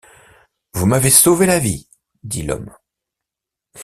Vous m’avez sauvé la vie, dit l’homme.